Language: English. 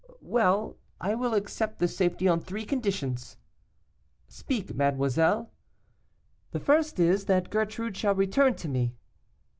'Well, I will accept this safety on three conditions.' 'Speak, mademoiselle.' 'The first is, that Gertrude shall return to me.